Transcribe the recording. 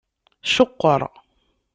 Ceqqer.